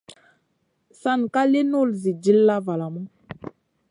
San ka lì nul Zi dilla valamu.